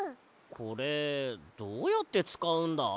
これどうやってつかうんだ？